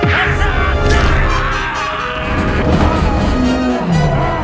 betul bagi mereka